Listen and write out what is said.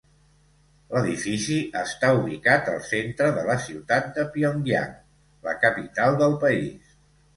L'edifici està ubicat al centre de la ciutat de Pyongyang, la capital del país.